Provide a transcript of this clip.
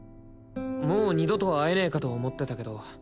もう二度と会えねえかと思ってたけど